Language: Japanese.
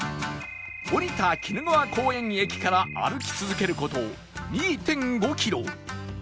降りた鬼怒川公園駅から歩き続ける事 ２．５ キロ